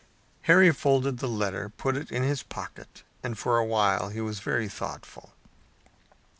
Harry folded the letter, put it in his pocket, and for a while he was very thoughtful.